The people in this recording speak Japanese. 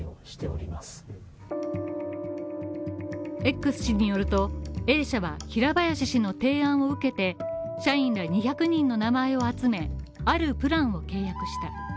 Ｘ氏によると、Ａ社は平林氏の提案を受けて社員ら２００人の名前を集め、あるプランを契約した。